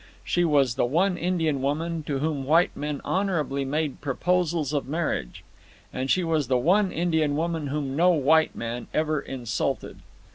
She was the one Indian woman to whom white men honourably made proposals of marriage. And she was the one Indian woman whom no white man ever insulted.